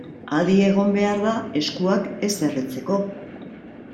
Adi egon behar da eskuak ez erretzeko.